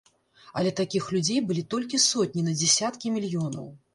Але такіх людзей былі толькі сотні на дзесяткі мільёнаў.